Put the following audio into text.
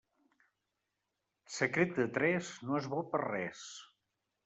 Secret de tres no és bo per res.